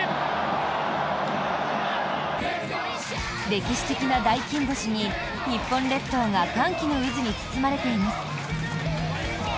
歴史的な大金星に日本列島が歓喜の渦に包まれています。